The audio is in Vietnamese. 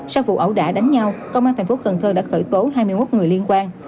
sau vụ ẩu đả đánh nhau công an thành phố cần thơ đã khởi tố hai mươi một người liên quan